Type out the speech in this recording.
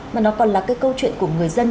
mà nó còn là cái câu chuyện của người dân